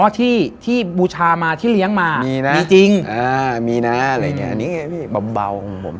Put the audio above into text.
ที่ที่บูชามาที่เลี้ยงมามีนะมีจริงอ่ามีนะอะไรอย่างเงี้อันนี้พี่เบาของผม